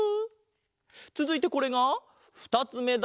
つづいてこれがふたつめだ。